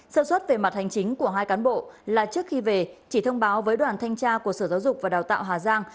sơ xuất về mặt hành chính của hai cán bộ là trước khi về chỉ thông báo với đoàn thanh tra của sở giáo dục và đào tạo hà giang